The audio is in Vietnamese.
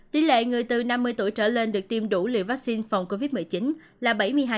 tỷ lệ người từ năm mươi tuổi trở lên được tiêm đủ liều vaccine phòng covid một mươi chín là bảy mươi hai